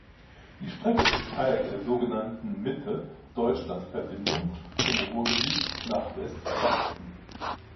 Die Strecke ist Teil der sogenannten Mitte-Deutschland-Verbindung vom Ruhrgebiet nach Westsachsen.